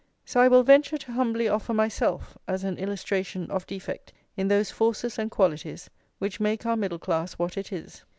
So I will venture to humbly offer myself as an illustration of defect in those forces and qualities which make our middle class what it is.